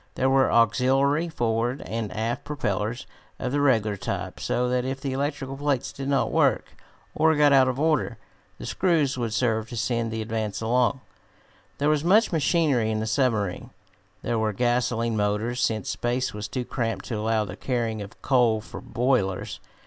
There were auxiliary forward and aft propellers of the regular type, so that if the electrical plates did not work, or got out of order, the screws would serve to send the Advance along. There was much machinery in the submarine. There were gasolene motors, since space was too cramped to allow the carrying of coal for boilers.